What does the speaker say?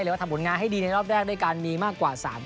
ว่าทำผลงานให้ดีในรอบแรกด้วยกันมีมากกว่า๓คน